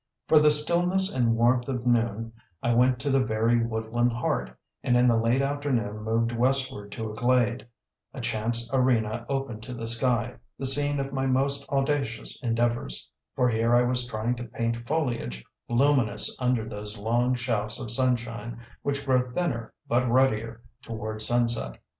For the stillness and warmth of noon I went to the very woodland heart, and in the late afternoon moved westward to a glade a chance arena open to the sky, the scene of my most audacious endeavours, for here I was trying to paint foliage luminous under those long shafts of sunshine which grow thinner but ruddier toward sunset.